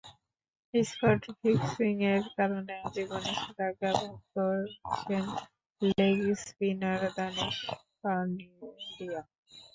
Spot ফিক্সিংয়ের কারণে আজীবন নিষেধাজ্ঞা ভোগ করছেন লেগ স্পিনার দানিশ কানেরিয়া।